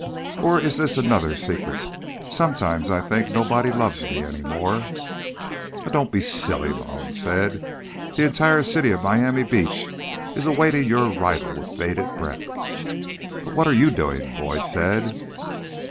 Or is this another secret? Sometimes I think nobody loves me any more." "Oh, don't be silly," Malone said. "The entire city of Miami Beach is awaiting your arrival with bated breath." "But what are you doing?" Boyd said.